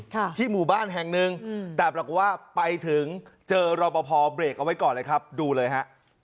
ค่ะที่หมู่บ้านแห่งหนึ่งอืมแต่ปรากฏว่าไปถึงเจอรอปภเบรกเอาไว้ก่อนเลยครับดูเลยฮะ